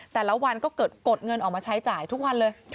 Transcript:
แต่ละวันก็กดเงินออกมาใช้จ่ายทุกวันเลย